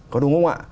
có đúng không ạ